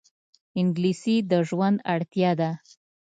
انګلیسي د ژوند اړتیا ده